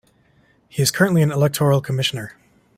He is currently an Electoral Commissioner.